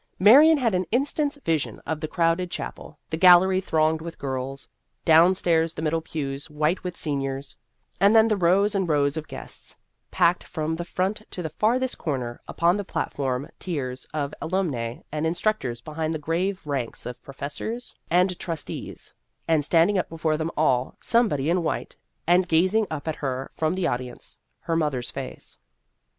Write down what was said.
Marion had an instant's vision of the crowded chapel the gallery thronged with girls, downstairs the middle pews white with seniors, and then the rows and rows of guests, packed from the front to the farthest corner, upon the platform tiers of alumnae and instructors behind the grave ranks of professors and trus tees, and standing up before them all somebody in white, and gazing up at her from the audience, her mother's face.